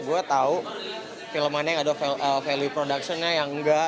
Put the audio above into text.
gue tau film mana yang ada value production nya yang enggak